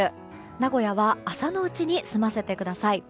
名古屋は朝のうちに済ませてください。